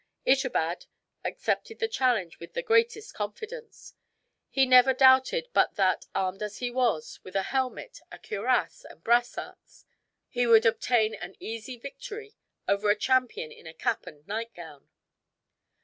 Itobad accepted the challenge with the greatest confidence. He never doubted but that, armed as he was, with a helmet, a cuirass, and brassarts, he would obtain an easy victory over a champion in a cap and nightgown.